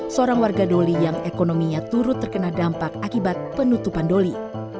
seorang warga doli yang ekonominya turut terkena dampak akibat penutupan doli